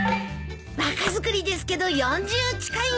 若作りですけど４０近いんです。